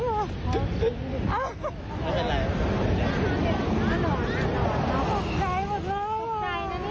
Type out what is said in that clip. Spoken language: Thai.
มันไปออกไหม